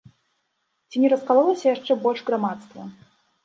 Ці не раскалолася яшчэ больш грамадства?